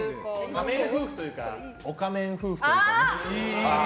仮面夫婦というかおかめん夫婦というか。